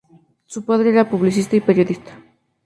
Su padre era publicista y periodista.